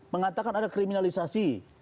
mengatakan ada kriminalisasi